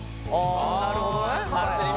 あなるほどね。